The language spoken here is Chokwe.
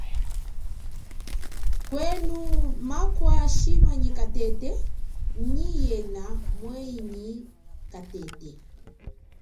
Kwenu makwa shima nyi katete nyi yena mwehi nyi katete.